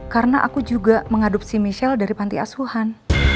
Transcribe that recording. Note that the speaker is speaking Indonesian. karena aku juga mengadopsi michelle dari panti asuhan